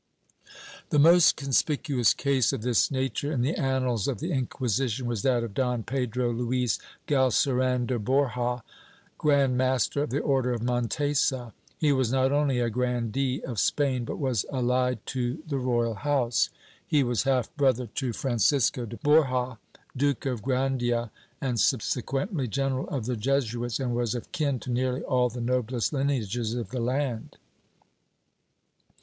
^ The most conspicuous case of this nature in the annals of the Inquisition was that of Don Pedro Luis Galceran de Borja, Grand master of the Order of Montesa, He was not only a grandee of Spain, but was allied to the royal house, he was half brother to Francisco de Borja, Duke of Grandia and subsequently General of the Jesuits, and was of kin to nearly all the noblest lineages of the land.